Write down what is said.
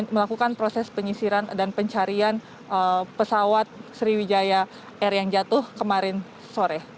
melakukan proses penyisiran dan pencarian pesawat sriwijaya air yang jatuh kemarin sore